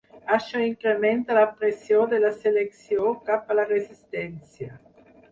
Això incrementa la pressió de la selecció cap a la resistència.